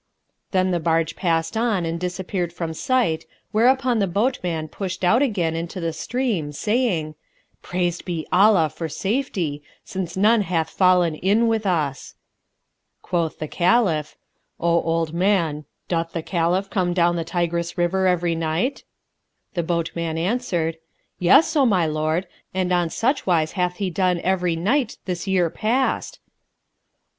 Then the barge passed on and disappeared from sight whereupon the boatman pushed out again into the stream, saying, "Praised be Allah for safety, since none hath fallen in with us!" Quoth the Caliph, "O old man, doth the Caliph come down the Tigris river every night?" The boatman answered, "Yes, O my lord; and on such wise hath he done every night this year past."